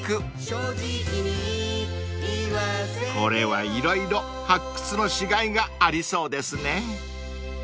［これは色々発掘のしがいがありそうですね］